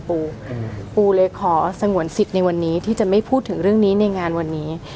ปูปูเลยขอสงวนสิทธิ์ในวันนี้ที่จะไม่พูดถึงเรื่องนี้ในงานวันนี้